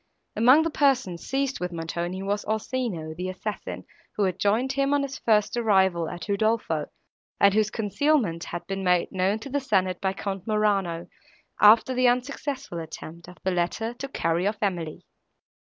Among the persons, seized with Montoni, was Orsino, the assassin, who had joined him on his first arrival at Udolpho, and whose concealment had been made known to the senate by Count Morano, after the unsuccessful attempt of the latter to carry off Emily.